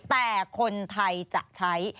แต่คนไทยจะใช้